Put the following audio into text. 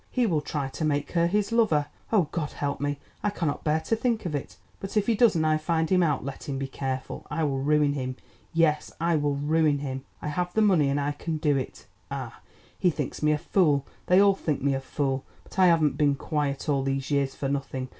"He will try to make her his lover. Oh, God help me—I cannot bear to think of it. But if he does, and I find him out, let him be careful. I will ruin him, yes, I will ruin him! I have the money and I can do it. Ah, he thinks me a fool, they all think me a fool, but I haven't been quiet all these years for nothing.